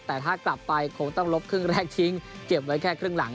แต่ถ้ากลับไปคงต้องลบครึ่งแรกทิ้งเก็บไว้แค่ครึ่งหลัง